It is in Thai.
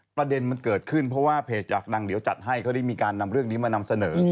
ประเด็นมันเกิดขึ้นเพราะว่าเพจอยากดังเดี๋ยวจัดให้เขาได้มีการนำเรื่องนี้มานำเสนอ